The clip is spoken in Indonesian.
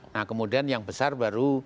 nah kemudian yang besar baru